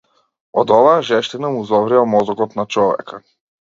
Од оваа жештина му зоврива мозокот на човека.